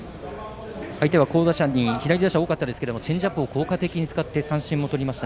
相手は好打者に左打者が多かったですがチェンジアップを効果的に使って三振をとりました。